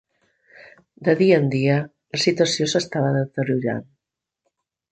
De dia en dia, la situació s'estava deteriorant.